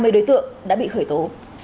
hai mươi đối tượng đã bị khởi tố